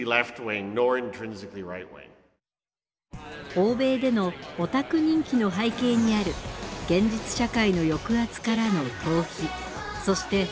欧米でのオタク人気の背景にある現実社会の抑圧からの逃避そして反発。